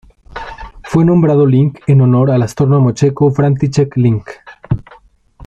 Fue nombrado Link en honor al astrónomo checo František Link.